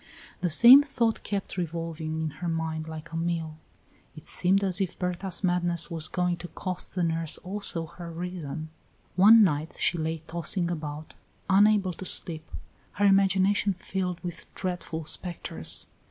The same thought kept revolving in her mind like a mill. It seemed as if Berta's madness was going to cost the nurse also her reason. One night she lay tossing about, unable to sleep, her imagination filled with dreadful spectres.